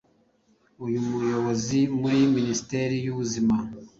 Uyu muyobozi muri Minisiteri y’ Ubuzima